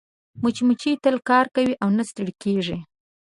مچمچۍ تل کار کوي او نه ستړې کېږي